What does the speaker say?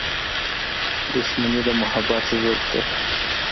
• دښمني د محبت ضد ده.